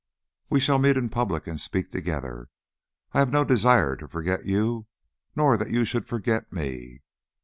We shall meet in public and speak together. I have no desire to forget you nor that you should forget me.